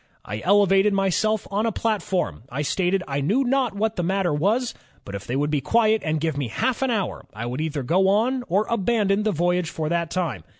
'" "I elevated myself on a platform; I stated I knew not what the matter was, but if they would be quiet and give me half an hour, I would either go on or abandon the voyage for that time.